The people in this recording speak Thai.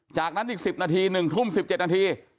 จากนั้นอีก๑๐นาที๑ทุ่ม๑๗นาที